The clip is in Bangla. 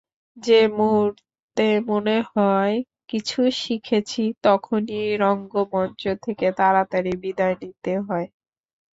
যে মুহূর্তে মনে হয় কিছু শিখেছি, তখনই রঙ্গমঞ্চ থেকে তাড়াতাড়ি বিদায় নিতে হয়।